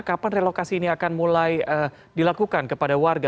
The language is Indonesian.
kapan relokasi ini akan mulai dilakukan kepada warga